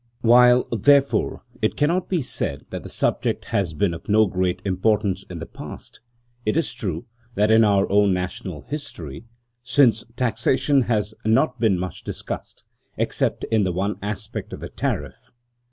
While, therefore, it cannot be said that the subject has been of no great importance in the past, it is true that in our own national history since the adoption of the Constitution, taxation has not been much discussed, except in the one aspect of the tariff.